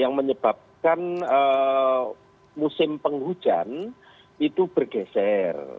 yang menyebabkan musim penghujan itu bergeser